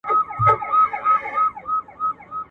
د یوې لويی غونډي !.